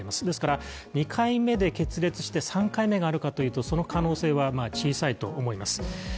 ですから２回目で決裂して３回目があるかというとその可能性は小さいと思います。